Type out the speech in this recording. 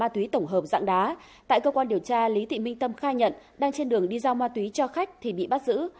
tại cơ quan điều tra lý thị minh tâm khai nhận đang trên đường đi giao ma túy cho khách thì bị bắt giữ